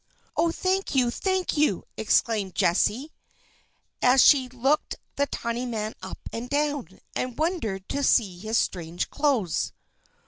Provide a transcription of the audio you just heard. "Oh, thank you! Thank you!" exclaimed Jessie, as she looked the tiny man up and down, and wondered to see his strange clothes.